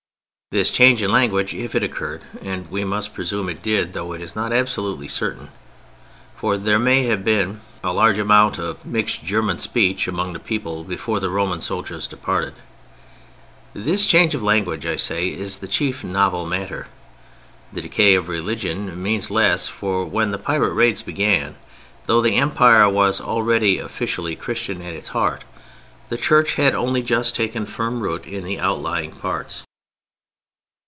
This change in language, if it occurred (and we must presume it did, though it is not absolutely certain, for there may have been a large amount of mixed German speech among the people before the Roman soldiers departed)—this change of language, I say, is the chief novel matter. The decay of religion means less, for when the pirate raids began, though the Empire was already officially Christian at its heart, the Church had only just taken firm root in the outlying parts.